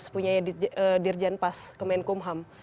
punya dirjen pas kemenkumham